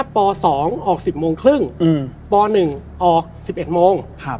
ป๒ออก๑๐โมงครึ่งป๑ออก๑๑โมง